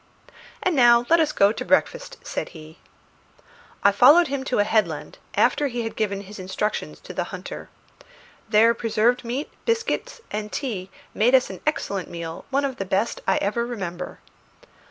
"And now let us go to breakfast," said he. I followed him to a headland, after he had given his instructions to the hunter. There preserved meat, biscuit, and tea made us an excellent meal, one of the best I ever remember.